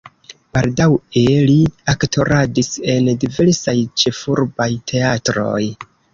Baldaŭe li aktoradis en diversaj ĉefurbaj teatroj.